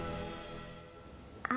あ！